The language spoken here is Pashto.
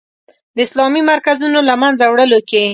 د اسلامي مرکزونو له منځه وړلو کې.